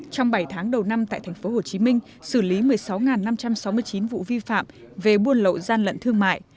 trong bảy tháng đầu năm tại tp hcm xử lý một mươi sáu năm trăm sáu mươi chín vụ vi phạm về buôn lậu gian lận thương mại